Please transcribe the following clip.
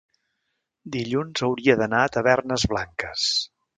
Dilluns hauria d'anar a Tavernes Blanques.